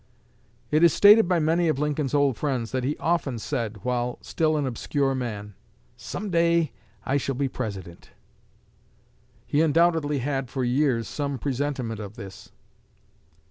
It is stated by many of Lincoln's old friends that he often said while still an obscure man, 'Some day I shall be President.' He undoubtedly had for years some presentiment of this."